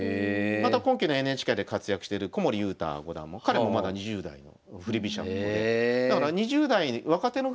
また今期のＮＨＫで活躍してる古森悠太五段も彼もまだ２０代の振り飛車党で。